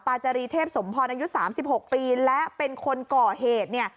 ปาจารีเทพสมพลอายุสามสิบหกปีและเป็นคนก่อเหตุเนี่ย